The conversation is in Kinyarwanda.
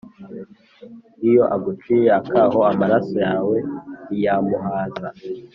iyo aguciye akaho, amaraso yawe ntiyamuhaza